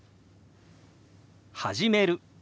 「始める」。